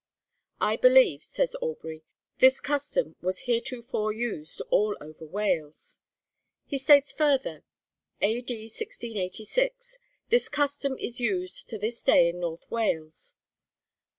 I believe,' says Aubrey, 'this custom was heretofore used all over Wales.' He states further, 'A.D. 1686: This custom is used to this day in North Wales.'